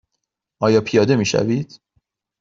آیا پیاده می شوید؟